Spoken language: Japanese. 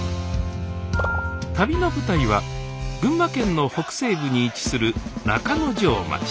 旅の舞台は群馬県の北西部に位置する中之条町。